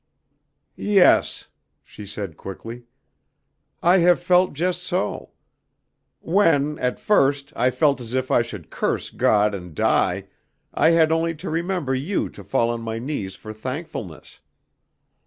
"Yes," she said quickly. "I have felt just so. When, at first, I felt as if I should curse God and die, I had only to remember you to fall on my knees for thankfulness.